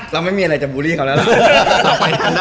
เราไม่มีอะไรจะบูรีเขาแล้ว